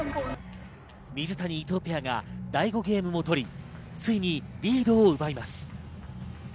水谷・伊藤ペアが第５ゲームも取り、ついにリードを奪います。